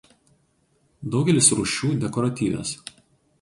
Daugelis rūšių dekoratyvios.